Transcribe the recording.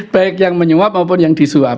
baik yang menyuap maupun yang disuap